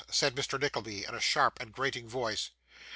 said Mr. Nickleby, in a sharp and grating voice.